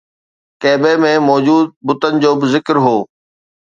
ڪعبي ۾ موجود بتن جو به ذڪر هو